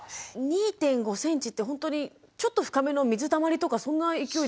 ２．５ｃｍってほんとにちょっと深めの水たまりとかそんな勢いですよね。